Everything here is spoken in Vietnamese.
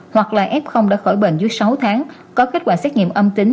hoặc là ép không đã khỏi bệnh dưới sáu tháng có kết quả xét nghiệm âm tính